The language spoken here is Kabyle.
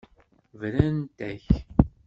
Brant-ak.